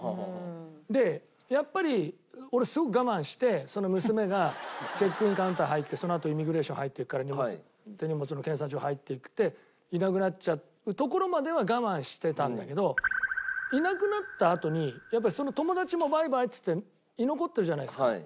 でやっぱり俺すごく我慢して娘がチェックインカウンター入ってそのあとイミグレーション入って手荷物の検査場入っていっていなくなっちゃうところまでは我慢してたんだけどいなくなったあとにやっぱその友達も「バイバイ」っつって居残ってるじゃないですか。